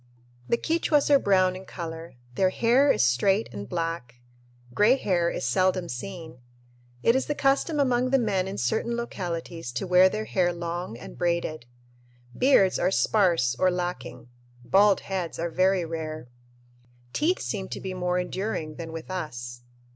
The Quichuas are brown in color. Their hair is straight and black. Gray hair is seldom seen. It is the custom among the men in certain localities to wear their hair long and braided. Beards are sparse or lacking. Bald heads are very rare. Teeth seem to be more enduring than with us.